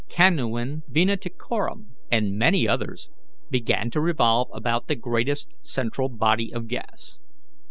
Canuin venaticorum, and many others began to revolve about the greatest central body of gas.